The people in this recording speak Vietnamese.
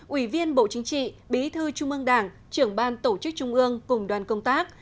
ủy viên bộ chính trị bí thư trung ương đảng trưởng ban tổ chức trung ương cùng đoàn công tác